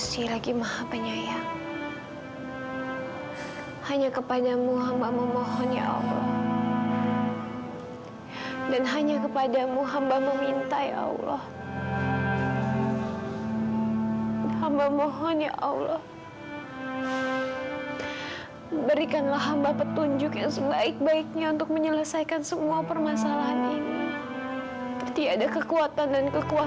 sampai jumpa di video selanjutnya